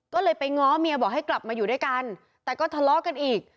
ก็เลยไปง้อเมียบอกให้กลับมาอยู่ด้วยกันแต่ก็ทะเลาะกันอีก